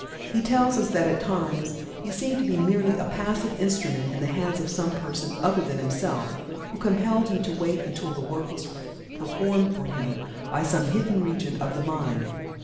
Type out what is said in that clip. He tells us that at times he seemed to be merely a passive instrument in the hands of some person other than himself, who compelled him to wait until the work was performed for him by some hidden region of the mind.